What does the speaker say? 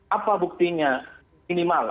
apa buktinya minimal